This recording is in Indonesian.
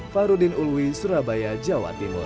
farudin ulwi surabaya jawa timur